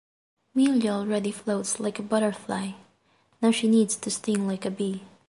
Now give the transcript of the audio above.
Milla already floats like a butterfly; now she needs to sting like a bee.